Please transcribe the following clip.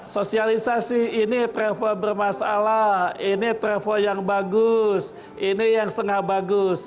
sosialisasi ini travel bermasalah ini travel yang bagus ini yang setengah bagus